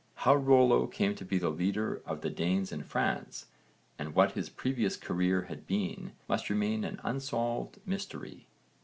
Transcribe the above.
How Rollo came to be the leader of the Danes in France and what his previous career had been must remain an unsolved mystery.